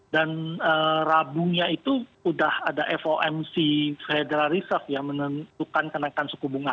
dan rabungnya itu udah ada fomc federal reserve ya menentukan kenaikan suku bunga